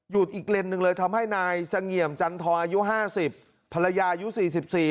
อีกเลนส์หนึ่งเลยทำให้นายเสงี่ยมจันทรอายุห้าสิบภรรยายุสี่สิบสี่